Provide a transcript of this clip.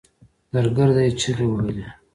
درګرده يې چيغې وهلې.